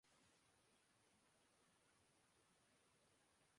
آج ارزاں ہو کوئی حرف شناسائی کا